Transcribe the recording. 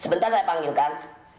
sebentar saya panggilkan